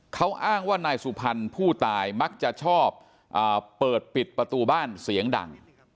เขาอ้างว่านายสุพรรณผู้ตายมักจะชอบเปิดปิดประตูบ้านเสียงดัง